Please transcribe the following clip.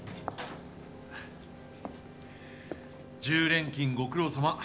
１０連勤ご苦労さま。